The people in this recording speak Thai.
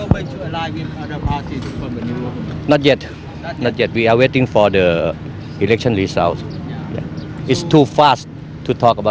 ผมคุยรายก็เรียกว่ารายสมทิธารนะครับ